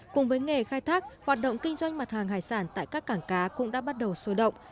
cùng với nghề khai thác hoạt động kinh doanh mặt hàng hải sản tại các cảng cá cũng đã bắt đầu sôi động